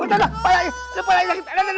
udah udah palanya udah palanya sakit